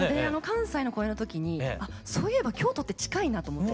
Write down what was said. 関西の公演の時にあそういえば京都って近いなと思って。